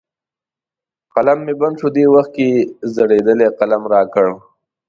قلم مې بند شو، دې وخت کې یې زړېدلی قلم را کړ.